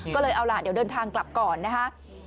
ก็เลยเอาล่ะเดี๋ยวเดินทางกลับก่อนนะคะ